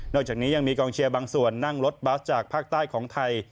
จากนี้ยังมีกองเชียร์บางส่วนนั่งรถบัสจากภาคใต้ของไทย